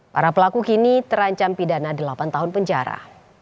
para pelaku kini terancam pidana delapan tahun penjara